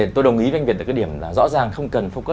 tôi nghĩ với anh việt là cái điểm là rõ ràng không cần focus